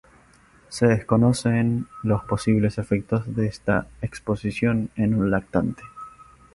Se desconocen los posibles efectos de esta exposición en un lactante.